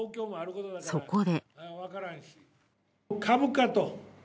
そこで。